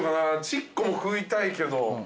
ちっこも食いたいけど。